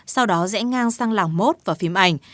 sau đó rẽ ngang sang làng mốt và phim ảnh